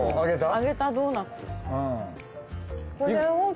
揚げたドーナツ。